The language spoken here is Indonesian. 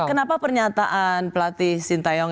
kenapa pernyataan pelatih sinta yong